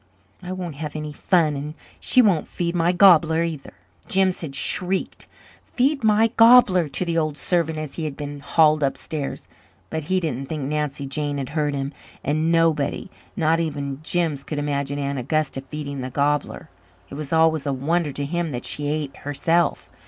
"I won't have any fun and she won't feed my gobbler, either." Jims had shrieked "Feed my gobbler," to the old servant as he had been hauled upstairs. But he didn't think Nancy Jane had heard him, and nobody, not even Jims, could imagine Aunt Augusta feeding the gobbler. It was always a wonder to him that she ate, herself.